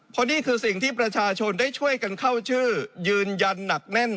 เพราะนี่คือสิ่งที่ประชาชนได้ช่วยกันเข้าชื่อยืนยันหนักแน่น